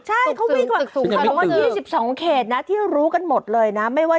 ช่างแต่งหน้าไปแต่งอยู่เขาบอกสั่นเลยตอนแปลง